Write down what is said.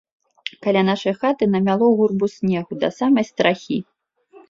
Каля нашай хаты намяло гурбу снегу да самай страхі.